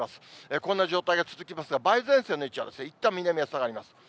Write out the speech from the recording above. こんな状態が続きますが、梅雨前線の位置はいったん南へ下がります。